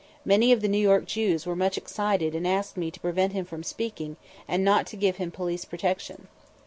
Many of the New York Jews were much excited and asked me to prevent him from speaking and not to give him police protection.